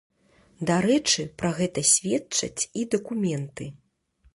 Дарэчы, пра гэта сведчаць і дакументы.